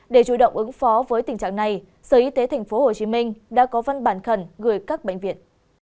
để chủ động ứng phó với tình trạng này sở y tế tp hcm đã có văn bản khẩn gửi các bệnh viện